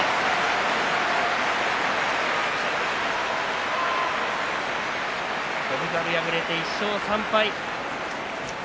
拍手翔猿、敗れて１勝３敗。